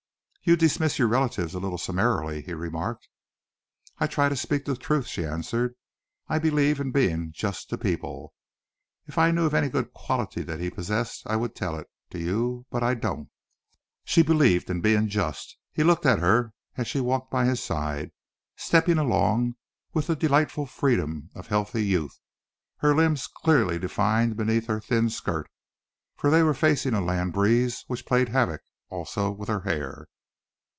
"You dismiss your relatives a little summarily," he remarked. "I try to speak the truth," she answered. "I believe in being just to people. If I knew of any good quality that he possessed, I would tell it to you, but I don't!" She believed in being just! He looked at her as she walked by his side, stepping along with the delightful freedom of healthy youth, her limbs clearly defined beneath her thin skirt, for they were facing a land breeze which played havoc, also, with her hair.